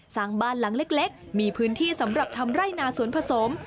สร้างบ้านหลังเล็กมีพื้นที่สำหรับทำไร่นาสวนผสม